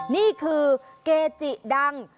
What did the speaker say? นี่คือเกจิดัง